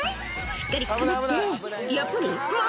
「しっかりつかまってやっぱりまずい？」